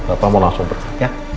papa mau langsung berangkat ya